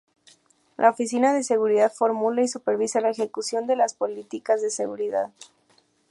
La Oficina de Seguridad formula y supervisa la ejecución de las políticas de seguridad.